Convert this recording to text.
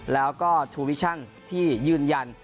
แล้วก็ทูวิชั่นที่ยืนยัน